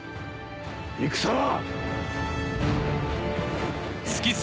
戦は！